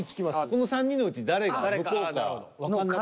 この３人のうち誰が向こうかわかんなくない？